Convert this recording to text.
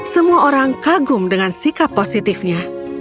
semua orang kagum dengan sikap positifnya